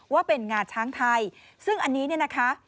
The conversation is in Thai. ว่าเป็นงาช้างไทยซึ่งอันนี้เนี่ยนะคะ